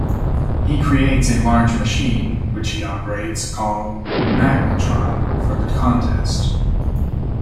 He creates a large machine, which he operates called "Magnetron" for the contest.